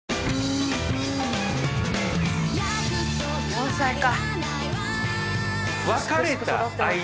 ４歳か。